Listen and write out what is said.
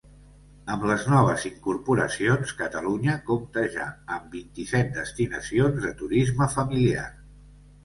Amb les noves incorporacions, Catalunya compta ja amb vint-i-set destinacions de turisme familiar.